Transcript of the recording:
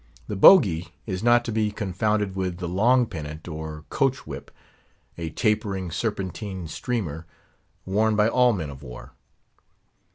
The bougee is not to be confounded with the long pennant or coach whip, a tapering serpentine streamer worn by all men of war.